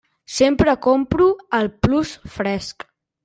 Sempre compro al Plus Fresc.